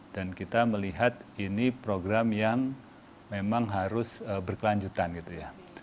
dan kita melihat ini program yang memang harus berkelanjutan gitu ya